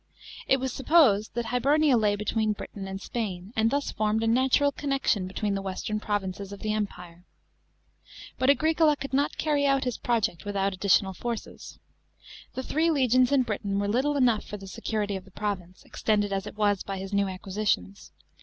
It was supposed that Hibernia lay between Britain and Spain, and thus formed a natural connection between the western provinces of the Empire. But AgricoU could not carry out his project wiihout additional forces. The three legions in Britain were little enough for the security of the province, extended as it was by his new acquisitions.